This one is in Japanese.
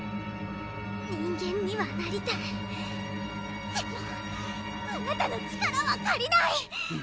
人間にはなりたいでもあなたの力はかりない！